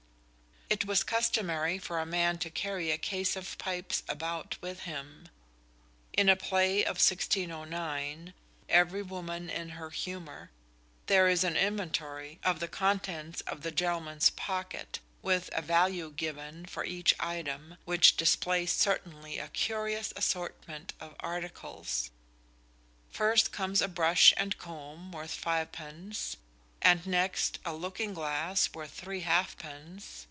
It was customary for a man to carry a case of pipes about with him. In a play of 1609 ("Everie Woman in her Humour") there is an inventory of the contents of a gentleman's pocket, with a value given for each item, which displays certainly a curious assortment of articles. First comes a brush and comb worth fivepence, and next a looking glass worth three halfpence.